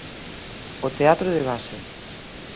O teatro de base.